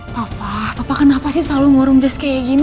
papa papa kenapa sih selalu ngurung jes kayak gini